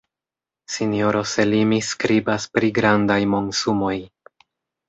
Sinjoro Selimi skribas pri grandaj monsumoj.